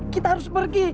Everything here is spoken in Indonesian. kita harus pergi